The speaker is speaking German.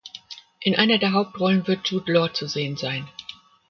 In einer der Hauptrollen wird Jude Law zu sehen sein.